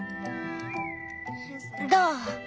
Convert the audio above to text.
どう？